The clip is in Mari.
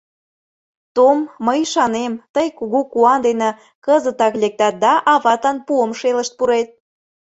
— Том, мый ӱшанем, тый кугу куан дене кызытак лектат да аватлан пуым шелышт пурет.